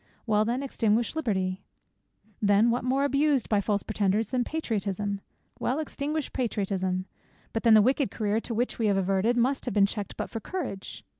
Well then, extinguish Liberty. Then what more abused by false pretenders, than Patriotism? Well, extinguish Patriotism. But then the wicked career to which we have adverted, must have been checked but for Courage.